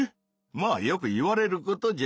まあよく言われることじゃ。